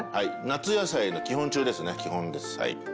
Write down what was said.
夏野菜の基本中ですね基本です。